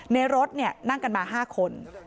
ในรถนั่งกันมา๕คน